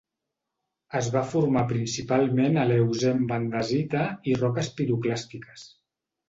Es va formar principalment a l'Eocè amb andesita i roques piroclàstiques.